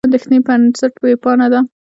دا د اندېښې بنسټ وېبپاڼه ده.